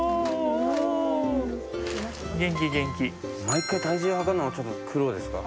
毎回体重測るのはちょっと苦労ですか？